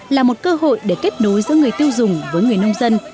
là một cơ hội để kết nối giữa người tiêu dùng với người nông dân